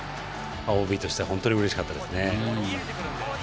ＯＢとしては本当にうれしかったですね。